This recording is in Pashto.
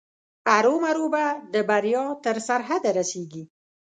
ارومرو به د بریا تر سرحده رسېږي.